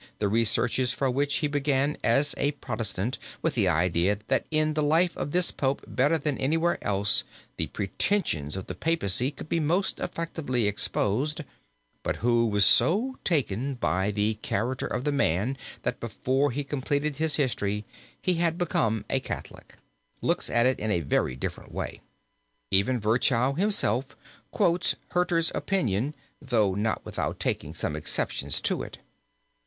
the researches for which he began as a Protestant with the idea that in the life of this Pope better than anywhere else the pretensions of the papacy could be most effectively exposed, but who was so taken by the character of the man that before he completed his history he had become a Catholic, looks at it in a very different way. Even Virchow himself quotes Hurter's opinion, though not without taking some exceptions to it.